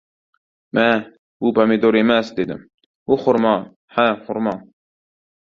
— Ma, bu pomidor emas, — dedim. — Bu xurmo, ha, xurmo!